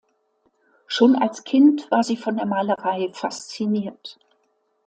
Schon als Kind war sie von der Malerei fasziniert.